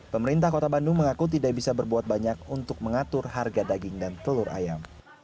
pemerintah kota bandung mengaku tidak bisa berbuat banyak untuk mengatur harga daging dan telur ayam